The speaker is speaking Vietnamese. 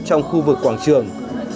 trong khu vực quảng trường